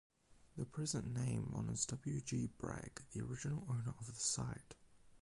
The present name honors W. G. Bragg, the original owner of the site.